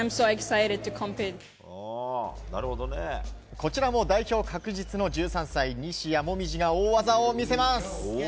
こちらも代表確実の１３歳、西矢椛が大技を見せます。